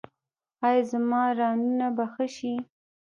ایا زما رانونه به ښه شي؟